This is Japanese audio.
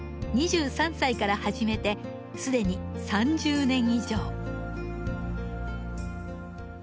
２３歳から始めてすでに３０年以上。